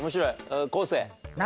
昴生。